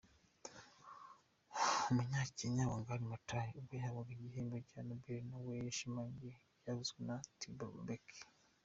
Umunyakenya Wangari Maathai, ubwo yahabwaga igihembo cya Nobel nawe yashimangiye ibyavuzwe na Thabo Mbeki.